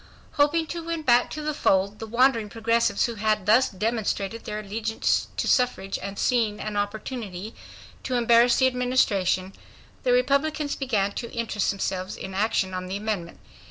Hoping to win back to the fold the wandering Progressives who had thus demonstrated their allegiance to suffrage and seeing an opportunity to embarrass the Administration, the, Republicans began to interest themselves in action on the amendment.